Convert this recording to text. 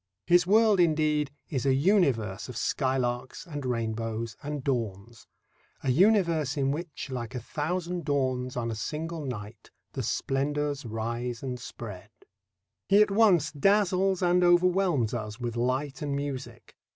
His world, indeed, is a universe of skylarks and rainbows and dawns a universe in which Like a thousand dawns on a single night The splendours rise and spread. He at once dazzles and overwhelms us with light and music.